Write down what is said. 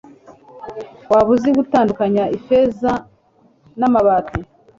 waba uzi gutandukanya ifeza n'amabati